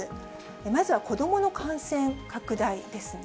まずは子どもの感染拡大ですね。